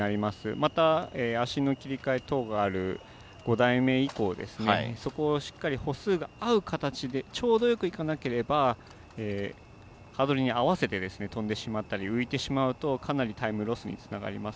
また足の切り替えとなる５台目以降ですね、そこをどう越すかちょうどよくいかなければハードルに合わせて跳んでしまったり浮いてしまうとかなりタイムロスにつながります。